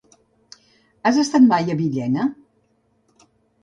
Has estat mai a Villena?